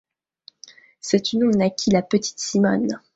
De cette union naquit la petite Simone.